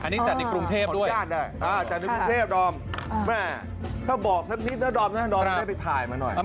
อันนี้จัดในกรุงเทพด้วยจัดในกรุงเทพดอมแม่ถ้าบอกสักนิดนะดอมนะดอมได้ไปถ่ายมาหน่อย